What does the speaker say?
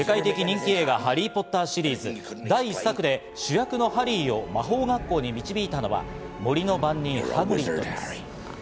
世界的人気映画『ハリー・ポッター』シリーズ第１作で、主役のハリーを魔法学校に導いたのは森の番人・ハグリッドです。